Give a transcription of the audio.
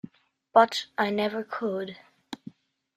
But I never could!